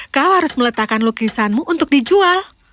kau harus meletakkan lukisanmu untuk dijual